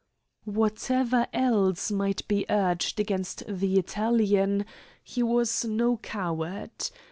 Whatever else might be urged against the Italian, he was no coward.